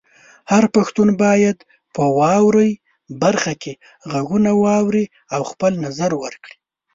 هر پښتون باید په "واورئ" برخه کې غږونه واوري او خپل نظر ورکړي.